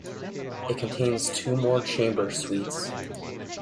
It contains two more chamber suites.